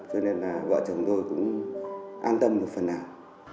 cho nên là vợ chồng tôi cũng an tâm một phần nào